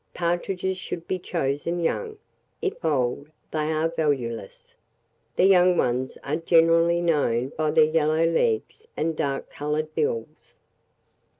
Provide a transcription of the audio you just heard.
Partridges should be chosen young; if old, they are valueless. The young ones are generally known by their yellow legs and dark coloured bills.